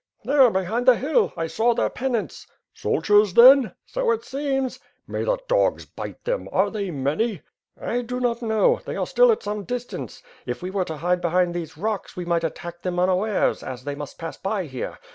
"There, behind the hill; I saw their pennants." "Soldiers, then?" "So it seems." ^Uay the dogs bite them! Are they many?" "I do not know. They are still at some distance. If we were to hide behind these rocks, we might attack them un* awares; as they must pass by here.